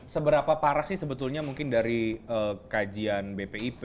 seberapa parah sih sebetulnya mungkin dari kajian bpip